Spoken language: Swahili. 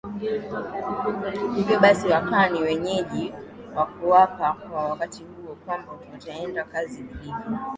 hivyo basi wakawa ni wenye kuapa kwa wakati huo kwamba watatenda kazi vilivyo